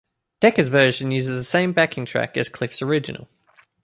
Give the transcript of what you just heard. Dekker's version uses the same backing track as Cliff's original.